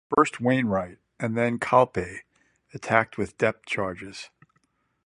First "Wainwright" and then "Calpe" attacked with depth charges.